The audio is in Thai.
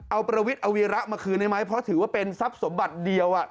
เอาประวิทย์เอาวีระมาคืนได้ไหมเพราะถือว่าเป็นทรัพย์สมบัติเดียว